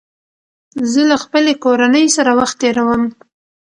زه له خپلې کورنۍ سره وخت تېروم